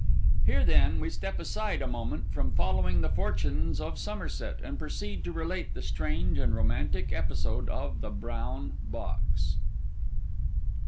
Here then, we step aside a moment from following the fortunes of Somerset, and proceed to relate the strange and romantic episode of THE BROWN BOX.